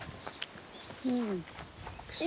うん。